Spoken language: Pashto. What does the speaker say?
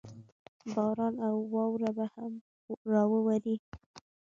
باران او واوره به هم راووري.